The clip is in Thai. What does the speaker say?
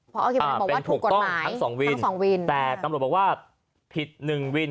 เป็นถูกต้องทั้งสองวินแต่กำลังบอกว่าผิดหนึ่งวิน